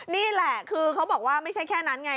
นี่แหละคือเขาบอกว่าไม่ใช่แค่นั้นไง